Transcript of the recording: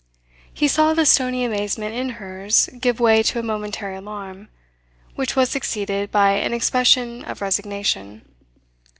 He saw the stony amazement in hers give way to a momentary alarm, which was succeeded by an expression of resignation.